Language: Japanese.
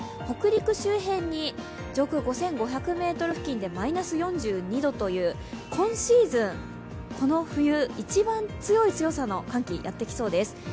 北陸周辺に上空５５００ｍ付近でマイナス４２度という今シーズン、この冬一番強い強さの寒気がやってきそうです。